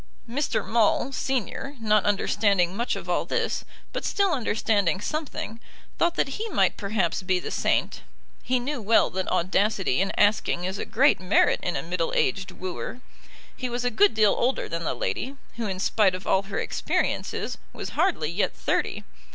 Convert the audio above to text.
Mr. Maule, Senior, not understanding much of all this, but still understanding something, thought that he might perhaps be the saint. He knew well that audacity in asking is a great merit in a middle aged wooer. He was a good deal older than the lady, who, in spite of all her experiences, was hardly yet thirty.